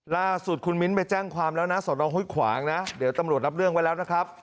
ล่าสุดคุณมิ้นไปแจ้งความแล้วนะสอนองห้วยขวางนะเดี๋ยวตำรวจรับเรื่องไว้แล้วนะครับ